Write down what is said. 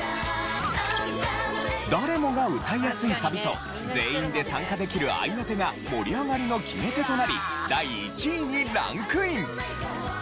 誰もが歌いやすいサビと全員で参加できる合いの手が盛り上がりの決め手となり第１位にランクイン！